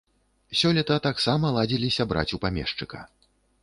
Сёлета таксама ладзіліся браць у памешчыка.